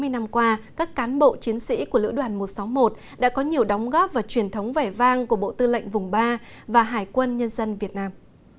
chín mươi năm qua các cán bộ chiến sĩ của lữ đoàn một trăm sáu mươi một đã có nhiều đóng góp và truyền thống vẻ vang của bộ tư lệnh vùng ba và hải quân nhân dân việt nam